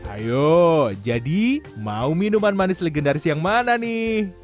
ayo jadi mau minuman manis legendaris yang mana nih